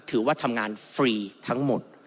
ถือว่าทำงานฟรีทั้งหมด